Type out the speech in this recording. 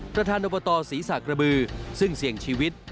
ประธานอบตศรีษะกระบือซึ่งเสี่ยงชีวิต